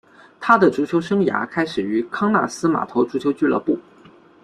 他的足球生涯开始于康纳斯码头足球俱乐部。